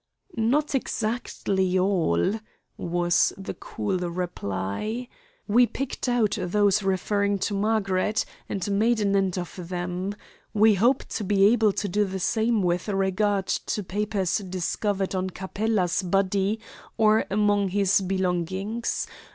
"Not exactly all," was the cool reply. "We picked out those referring to Margaret, and made an end of them. We hope to be able to do the same with regard to papers discovered on Capella's body or among his belongings.